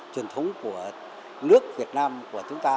truyền thống của nước việt nam của chúng ta